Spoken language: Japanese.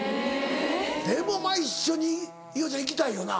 でもまぁ一緒に伊代ちゃん行きたいよな？